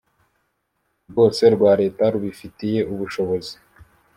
rwose rwa Leta rubifitiye ubushobozi